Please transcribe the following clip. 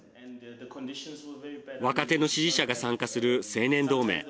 若手の支持者が参加する青年同盟。